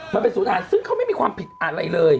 มันเป็นศูนย์อาหารซึ่งเขาไม่มีความผิดอะไรเลย